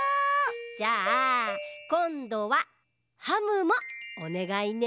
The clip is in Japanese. じゃあこんどはハムもおねがいね。